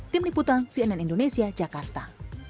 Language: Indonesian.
tim liputan cnn indonesia jakarta